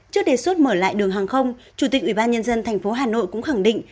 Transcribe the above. trước đề xuất mở lại đường hàng không chủ tịch ủy ban nhân dân thành phố hà nội cũng khẳng định